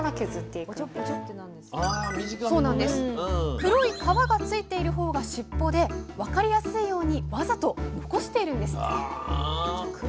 黒い皮がついている方が尻尾で分かりやすいようにわざと残しているんですって。